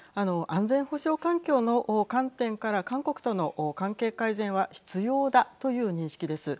安全保障環境の観点から韓国との関係改善は必要だという認識です。